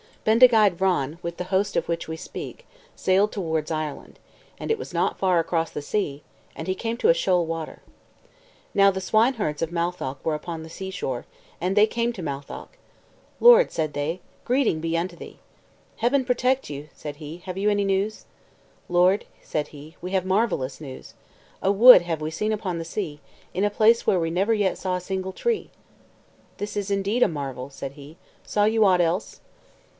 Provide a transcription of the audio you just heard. Bendigeid Vran, with the host of which we spoke, sailed towards Ireland; and it was not far across the sea, and he came to shoal water. Now the swine herds of Matholch were upon the sea shore, and they came to Matholch. "Lord," said they, "greeting be unto thee." "Heaven protect you!" said he; "have you any news?" "Lord," said they, "we have marvellous news. A wood have we seen upon the sea, in a place where we never yet saw a single tree." "This is indeed a marvel," said he; "saw you aught else?"